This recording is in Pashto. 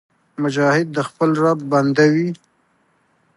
مجاهد د خپل رب بنده وي.